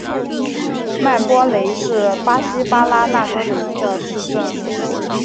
曼波雷是巴西巴拉那州的一个市镇。